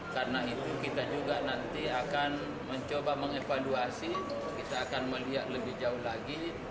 karena itu kita juga nanti akan mencoba mengevaluasi kita akan melihat lebih jauh lagi